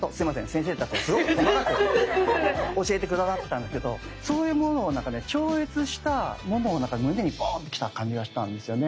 先生たちがすごく細かく教えて下さったんですけどそうしたものを超越したものを胸にボンッてきた感じがしたんですよね。